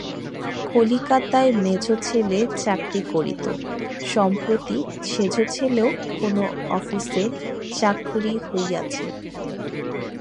কলিকাতায় মেজছেলে চাকরি করিত, সম্প্রতি সেজছেলেরও কোনো আফিসে চাকুরি হইয়াছে।